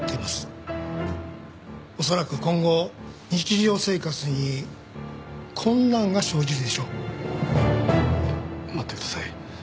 恐らく今後日常生活に困難が生じるでしょう待ってください